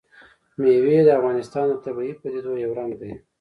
مېوې د افغانستان د طبیعي پدیدو یو رنګ دی.